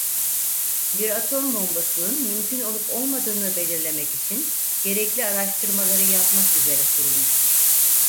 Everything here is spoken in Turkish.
Bir atom bombasının mümkün olup olmadığını belirlemek için gerekli araştırmaları yapmak üzere kurulmuştur.